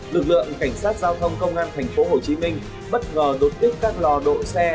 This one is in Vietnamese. lực lượng cảnh sát giao thông công an tp hcm bất ngờ đột kích các lò độ xe